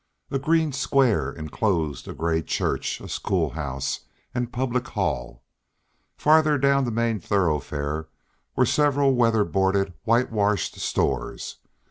A green square enclosed a gray church, a school house and public hall. Farther down the main thoroughfare were several weather boarded whitewashed stores.